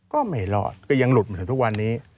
ก็ไม่รอดก็ยังหลุดเหมือนทุกวันนี้